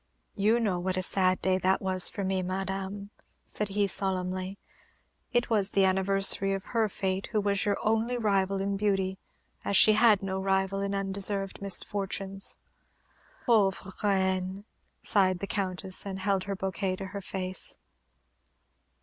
"You know what a sad day was that for me, madam," said he, solemnly. "It was the anniversary of her fate who was your only rival in beauty, as she had no rival in undeserved misfortunes." "Pauvre Reine!" sighed the Countess, and held her bouquet to her face.